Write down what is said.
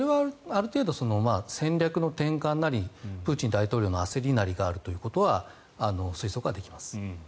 ある程度、戦略の転換なりプーチン大統領の焦りなりがあるということは推測はできます。